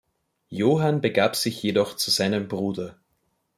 Johann begab sich jedoch zu seinem Bruder.